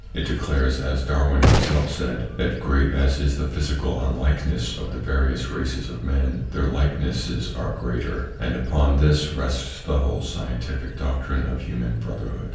It declares, as Darwin himself said, that great as is the physical unlikeness of the various races of men their likenesses are greater, and upon this rests the whole scientific doctrine of Human Brotherhood.